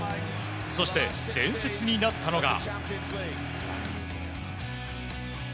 そして、伝説になったのが。